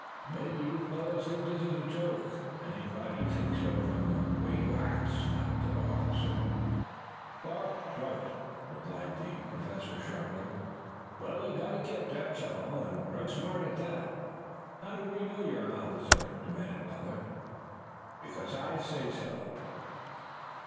"Maybe you fellows think this is a joke. Anybody'd think so from the way you act," snapped the officer. "Far from it," replied the Professor sharply. "Well, you've got to git, that's all, and right smart at that." "How do we know you are an officer?" demanded Butler. "Because I say so."